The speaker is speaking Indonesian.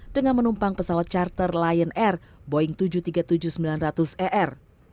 dengan menumpang pesawat charter lion air boeing tujuh ratus tiga puluh tujuh sembilan ratus er